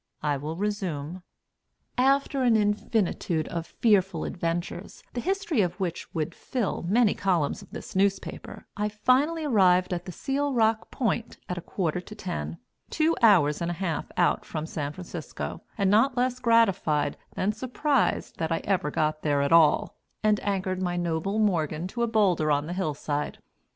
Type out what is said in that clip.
I will resume. After an infinitude of fearful adventures, the history of which would fill many columns of this newspaper, I finally arrived at the Seal Rock Point at a quarter to ten two hours and a half out from San Francisco, and not less gratified than surprised that I ever got there at all and anchored my noble Morgan to a boulder on the hillside.